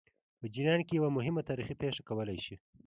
په جریان کې یوه مهمه تاریخي پېښه کولای شي.